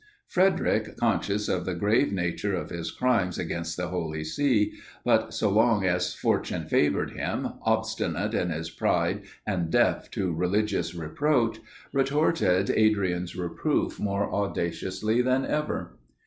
Frederic, conscious of the grave nature of his crimes against the Holy See, but so long as fortune favoured him, obstinate in his pride and deaf to religious reproach, retorted Adrian's reproof more audaciously than ever.